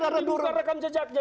silahkan dibuka rekam jejaknya